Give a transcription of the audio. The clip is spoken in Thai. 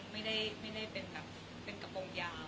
ไม่ได้มีเป็นกระโปงยาว